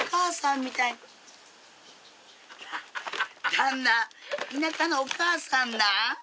旦那田舎のお母さんなん？